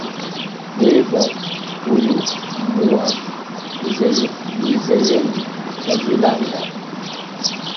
Weva uli mumu wakha, ize yene twazwelanga?